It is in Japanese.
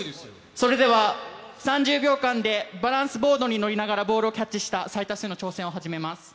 それでは、３０秒間でバランスボードに乗りながらボールをキャッチした最多数の挑戦を始めます。